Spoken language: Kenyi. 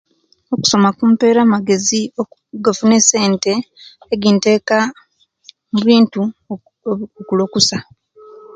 Okusoma kumpeere amagezi agafuna esente ejinteka mubintu ebi okukula okuusa